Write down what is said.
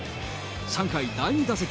３回、第２打席。